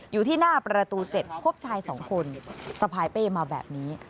อยู่ที่หน้าประตู๗พบชาย๒คนสะพายเป้มาแบบนี้